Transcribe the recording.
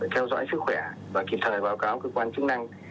theo dõi sức khỏe và kịp thời báo cáo cơ quan chức năng